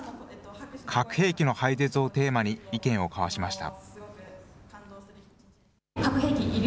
核兵器の廃絶をテーマに意見を交わしました。